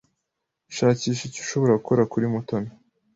Shakisha icyo ushobora gukora kuri Mutoni.